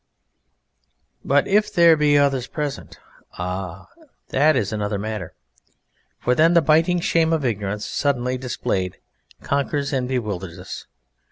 But if there be others present? Ah! Hoc est aliud rem, that is another matter, for then the biting shame of ignorance suddenly displayed conquers and bewilders us.